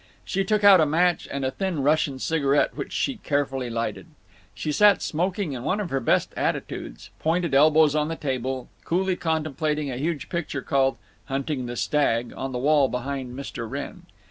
She took out a match and a thin Russian cigarette, which she carefully lighted. She sat smoking in one of her best attitudes, pointed elbows on the table, coolly contemplating a huge picture called "Hunting the Stag" on the wall behind Mr. Wrenn.